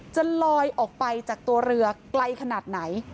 จะลอยออกไปจากตัวเรือไกลขนาดไหน